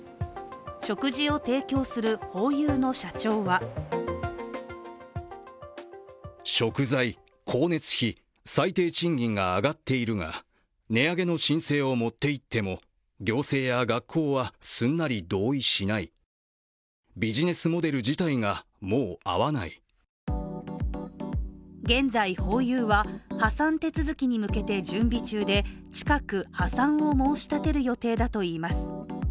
食事を提供するホーユーの社長は現在ホーユーは破産手続きに向けて準備中で近く破産を申し立てる予定だといいます。